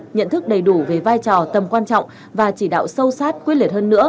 nhận thức đầy đủ về vai trò tầm quan trọng và chỉ đạo sâu sát quyết liệt hơn nữa